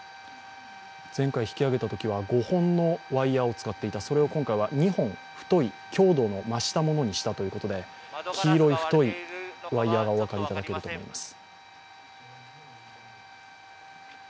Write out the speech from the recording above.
前回、引き揚げたときは５本のワイヤーを使っていたそれを今回は２本、太い強度を増したものにしたということで、黄色い太いワイヤーがお分かりいただけると思います。